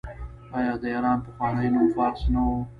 آیا د ایران پخوانی نوم فارس نه و؟